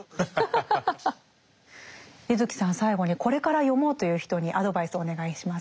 柚木さん最後にこれから読もうという人にアドバイスをお願いします。